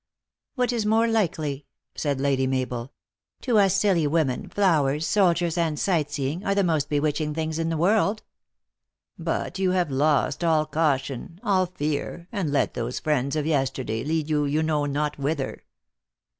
"What is more likely?" said Lady Mabel. "To us silly women, flowers, soldiers, and sightseeing, are the most bewitching things in the world." THE ACTRESS IN HIGH LIFE. 245 " But you have lost all caution, all fear, and let these friends of yesterday lead you you know not whither."